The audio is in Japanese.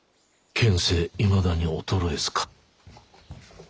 権勢いまだに衰えずか。